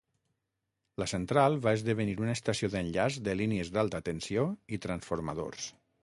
La central va esdevenir una estació d'enllaç de línies d'alta tensió i transformadors.